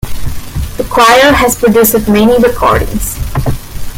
The choir has produced many recordings.